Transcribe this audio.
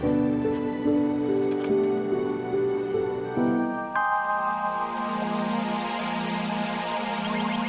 kita pulang dulu